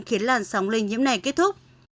khiến làn sóng lây nhiễm này kết thúc